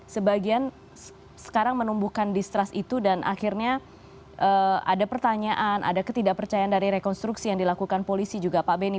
sebagian sekarang menumbuhkan distrust itu dan akhirnya ada pertanyaan ada ketidakpercayaan dari rekonstruksi yang dilakukan polisi juga pak beni